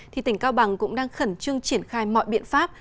thì tỉnh cao bằng cũng đang khẩn trương triển khai mọi biện pháp